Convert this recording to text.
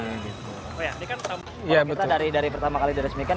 kalau kita dari pertama kali diresmikan